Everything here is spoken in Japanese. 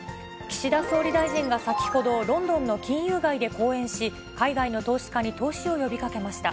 岸田総理大臣が先ほど、ロンドンの金融街で講演し、海外の投資家に投資を呼びかけました。